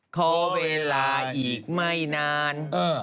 ขอเวลาอีกไม่นาน